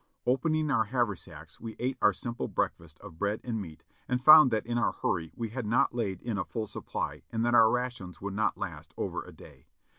Opening our haversacks we ate our simple breakfast of bread and meat, and found that in our hurry we had not laid in a full supply and that our rations would not last over a day.